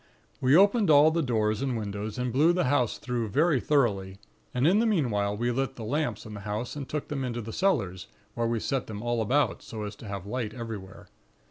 "We opened all the doors and windows, and blew the house through very thoroughly; and in the meanwhile, we lit the lamps in the house, and took them into the cellars, where we set them all about, so as to have light everywhere.